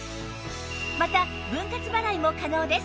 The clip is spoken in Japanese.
また分割払いも可能です